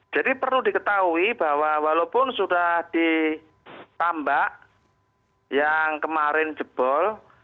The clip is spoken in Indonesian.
jadi perlu diketahui bahwa walaupun sudah ditambak yang kemarin jebol